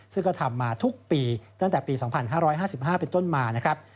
ซึ่งก็ทำมาทุกปีตั้งแต่ปี๒๕๕๕เป็นต้นมานะครับ